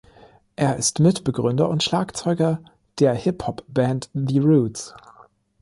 Er ist Mitbegründer und Schlagzeuger der Hip-Hop-Band The Roots.